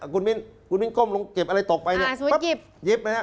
คุณมิ้นก้มลงเก็บอะไรตกไปเนี่ยปั๊บยิบมาเนี่ย